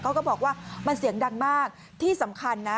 ก็บอกว่ามันเสียงดังมากที่สำคัญนะ